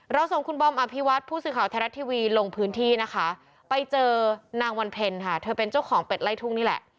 ส่งคุณบอมอภิวัตผู้สื่อข่าวไทยรัฐทีวีลงพื้นที่นะคะไปเจอนางวันเพ็ญค่ะเธอเป็นเจ้าของเป็ดไล่ทุ่งนี่แหละ